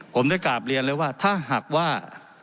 ผมได้กราบเรียนเลยว่าถ้าหากว่า